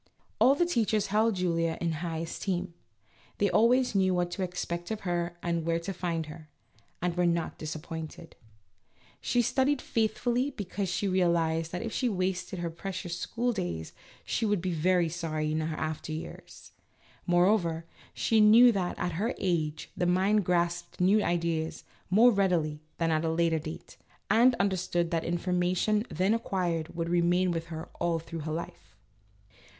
All the teachers held Julia in high esteem ; they always knew what to expect of her and where to find her, and were not disappointed. She studied 82 A LITTLE STUDY IN COMMON SENSE. faithfully because she realized that if she wasted her precious school days she would be very sorry in after years ; moreover, she knew that at her age the mind grasped new ideas more readily than at a later date, and understood that information then acquired would remain with her all through her life.